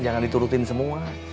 jangan diturutin semua